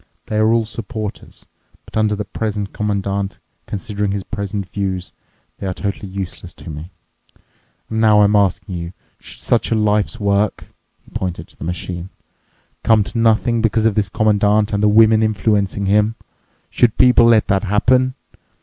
They are all supporters, but under the present Commandant, considering his present views, they are totally useless to me. And now I'm asking you: Should such a life's work," he pointed to the machine, "come to nothing because of this Commandant and the women influencing him? Should people let that happen?